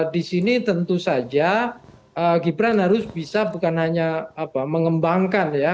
di sini tentu saja gibran harus bisa bukan hanya mengembangkan ya